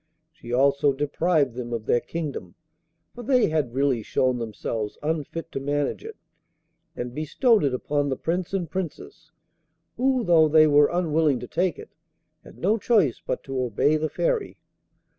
She also deprived them of their kingdom, for they had really shown themselves unfit to manage it, and bestowed it upon the Prince and Princess, who, though they were unwilling to take it, had no choice but to obey the Fairy.